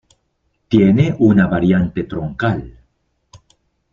Tiene una variante troncal.